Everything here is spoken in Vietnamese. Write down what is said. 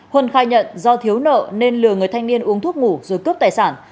huân khai nhận do thiếu nợ nên lừa người thanh niên uống thuốc ngủ rồi cướp tài sản